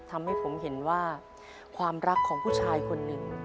ทำให้ผมเห็นว่าความรักของผู้ชายคนหนึ่ง